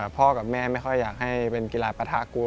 พ่อกับแม่ไม่ค่อยอยากให้เป็นกีฬาปะทะกลัว